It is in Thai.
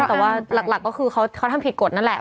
แต่ว่าหลักก็คือเขาทำผิดกฎนั่นแหละ